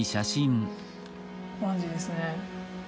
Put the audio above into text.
こまんじですね。